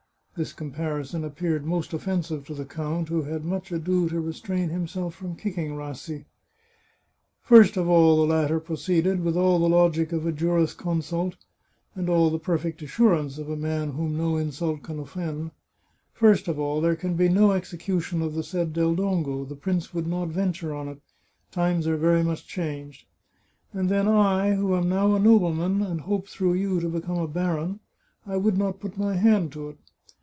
This comparison appeared most offen sive to the count, who had much ado to restrain himself from kicking Rassi. " First of all," the latter proceeded, with all the logic of a juris consult, and all the perfect assurance of a man whom no insult can offend, " first of all, there can be no execution of the said Del Dongo ; the prince would not venture on it ; times are very much changed. And then I, who am now a nobleman, and hope through you to become a baron, I would not put my hand to it.